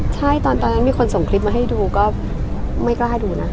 ใช่ตอนนั้นมีคนส่งคลิปมาให้ดูก็ไม่กล้าดูนะ